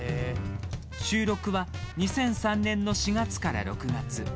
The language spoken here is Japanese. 収録は２００３年の４月から６月。